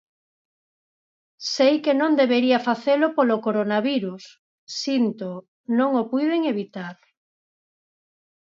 Sei que non debería facelo polo coronavirus, síntoo, non o puiden evitar.